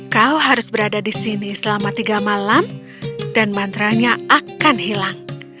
kau harus berada di sini selama tiga malam dan mantranya akan hilang